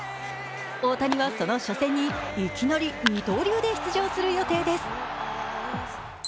大谷はその初戦にいきなり二刀流で出場する予定です。